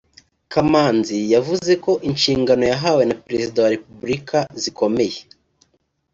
Kamanzi yavuze ko inshingano yahawe na Perezida wa Repuburika zikomeye